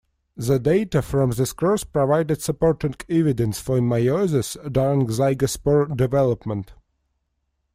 The data from this cross provided supporting evidence for meiosis during zygospore development.